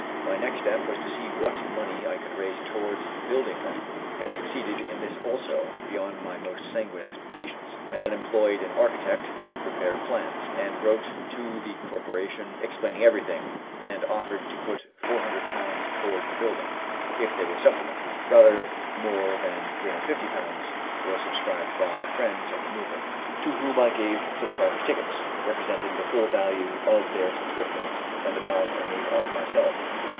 My next step was to see what money I could raise towards building them, and succeeded in this also beyond my most sanguine expectations. I then employed an architect to prepare plans, and wrote to the Corporation explaining everything, and offered to put Ł400 towards the building, if they would supplement it. Rather more than Ł350 was subscribed by friends of the movement, to whom I gave subscribers' tickets, representing the full value of their subscriptions, and the balance I made up myself.